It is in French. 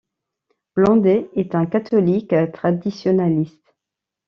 Blondet est un catholique traditionaliste.